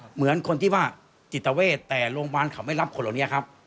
เหมือนคนที่ว่าจิตเวทแต่โรงพยาบาลเขาไม่รับคนเหล่านี้ครับ